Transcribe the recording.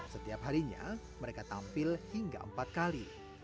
setiap harinya mereka tampil hingga empat kali